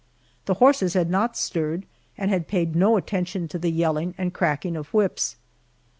The horses had not stirred and had paid no attention to the yelling and cracking of whips.